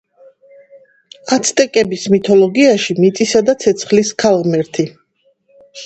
აცტეკების მითოლოგიაში მიწისა და ცეცხლის ქალღმერთი.